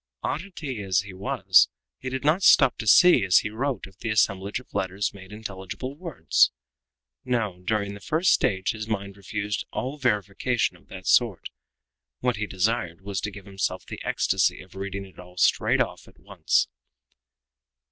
Oddity as he was, he did not stop to see as he wrote if the assemblage of letters made intelligible words. No; during the first stage his mind refused all verification of that sort. What he desired was to give himself the ecstasy of reading it all straight off at once.